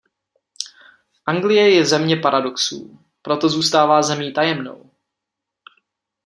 Anglie je země paradoxů; proto zůstává zemí tajemnou.